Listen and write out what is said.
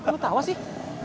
lo tau sih